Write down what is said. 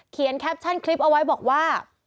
แคปชั่นคลิปเอาไว้บอกว่า